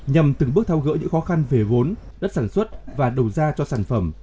nhằm từng bước thao gỡ những khó khăn về vốn đất sản xuất và đầu ra cho sản phẩm